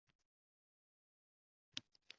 Xiyobon to‘la odam bo‘ldi.